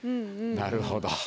なるほど。